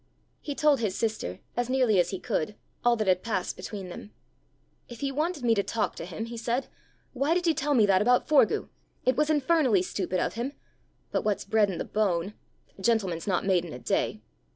He told his sister, as nearly as he could, all that had passed between them. "If he wanted me to talk to him," he said, "why did he tell me that about Forgue? It was infernally stupid of him! But what's bred in the bone ! A gentleman's not made in a day!"